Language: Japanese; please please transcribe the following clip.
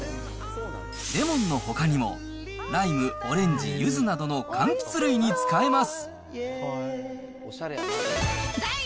レモンのほかにも、ライム、オレンジ、ゆずなどのかんきつ類に使えます。